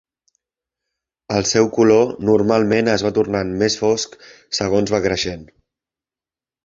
El seu color normalment es va tornant més fosc segons va creixent.